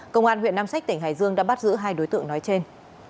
công an huyện nam sách tỉnh hải dương đã bắt giữ hai đối tượng nói trên